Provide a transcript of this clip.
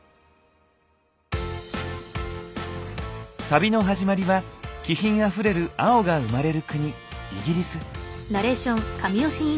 旅の始まりは気品あふれる青が生まれる国イギリス。